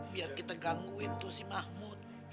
biar kita gangguin tuh si mahmud